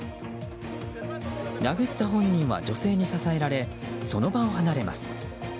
殴った本人は女性に支えられその場を離れます。